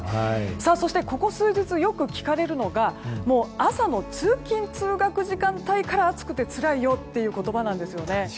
ここ数日、よく聞かれるのが朝の通勤・通学時間帯から暑くてつらいという言葉なんです。